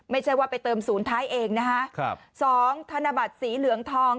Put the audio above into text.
ไม่ใช่ว่าไปเติมศูนย์ท้ายเองนะฮะครับสองธนบัตรสีเหลืองทอง